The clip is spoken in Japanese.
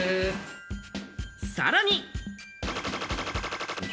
さらに。